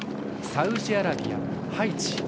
サウジアラビア、ハイチ